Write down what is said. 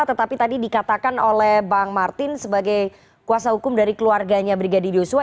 tetapi tadi dikatakan oleh bang martin sebagai kuasa hukum dari keluarganya brigadir yosua